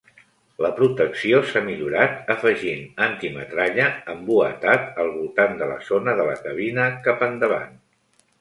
La protecció s'ha millorat afegint anti-metralla embuatat al voltant de la zona de la cabina cap endavant.